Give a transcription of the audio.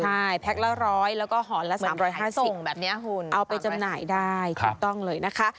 ใช่แพ็คละ๑๐๐แล้วก็หอละ๓๕๐เอาไปจำหน่ายได้ถูกต้องเลยนะคะ